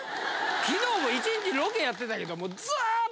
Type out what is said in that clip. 昨日も１日ロケやってたけども。